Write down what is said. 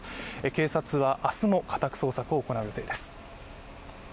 警察は明日も家宅捜索を行う予定です。